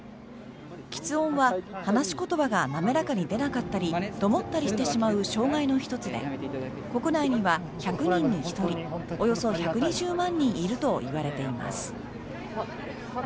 きつ音は話し言葉が滑らかに出なかったりどもったりしてしまう障害の１つで国内には１００人に１人およそ１２０万人いるといわれています。